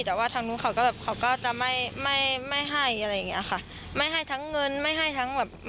แต่ว่าทางมุนเขาเหิบเขาก็จะไม่ไม่ไม่ให้อะไรอย่างนี้ค่ะ